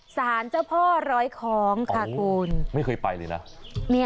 สารเจ้าพ่อร้อยของข้าคุณ